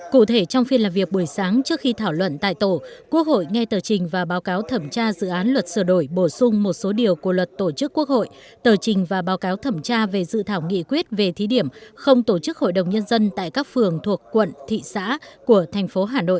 cụ thể trong phiên làm việc buổi sáng trước khi thảo luận tại tổ quốc hội nghe tờ trình và báo cáo thẩm tra dự án luật sửa đổi bổ sung một số điều của luật tổ chức quốc hội tờ trình và báo cáo thẩm tra về dự thảo nghị quyết về thí điểm không tổ chức hội đồng nhân dân tại các phường thuộc quận thị xã của thành phố hà nội